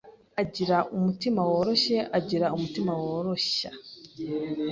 agira umutima woroshye, agira umutima woroshya